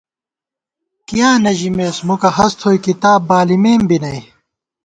کیاں نہ ژَمېس مُکہ ہست تھوئی کِتاب بالِمېم بی نئ